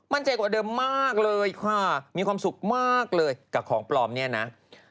ใจกว่าเดิมมากเลยค่ะมีความสุขมากเลยกับของปลอมเนี่ยนะ